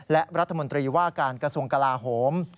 และรัฐมนตรีว่าการกระทรวงกลาโหม